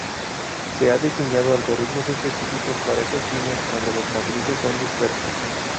Se han diseñado algoritmos específicos para estos fines cuando las matrices son dispersas.